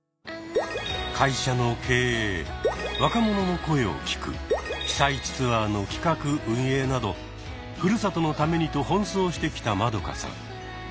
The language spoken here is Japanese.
会社の経営若者の声を聞く被災地ツアーの企画運営などふるさとのためにと奔走してきたマドカさん。